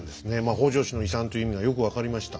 北条氏の遺産という意味がよく分かりました。